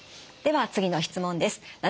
では次の質問です。